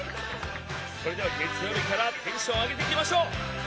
それでは月曜日からテンション上げていきましょう！